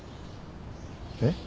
えっ？